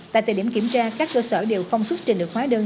tại thời điểm kiểm tra các cơ sở đều không xuất trình được hóa đơn